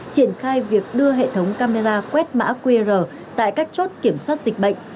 triển khai việc đưa hệ thống camera quét mã qr tại các chốt kiểm soát dịch bệnh